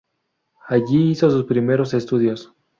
Allí hizo sus primeros estudios.